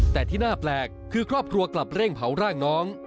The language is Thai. แต่ที่น่าแปลกคือครอบครัวกลับเร่งเผาร่างน้อง